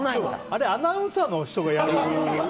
あれ、アナウンサーの人がやるものですから。